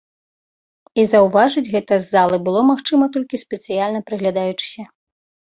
І заўважыць гэта з залы было магчыма толькі спецыяльна прыглядаючыся.